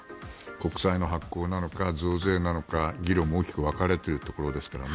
国債の発行なのか増税なのか議論も大きく分かれているところですからね。